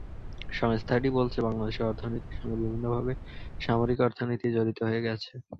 সংস্থাটি বলছে, বাংলাদেশের অর্থনীতির সঙ্গে বিভিন্নভাবে সামরিক অর্থনীতি জড়িত হয়ে গেছে।